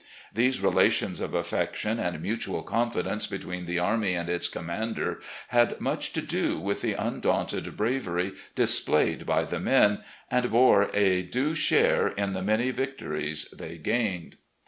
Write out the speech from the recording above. These relations of affection and mutual confidence between the army and its commander had much to do with the undaxmted bravery displayed by the men, and bore a due share in the many victories they gained."